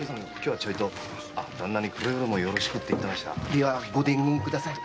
ではご伝言ください。